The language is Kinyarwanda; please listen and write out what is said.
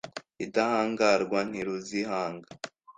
Indahangarwa ntiruzihanga !...